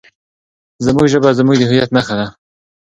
زموږ ژبه زموږ د هویت نښه ده.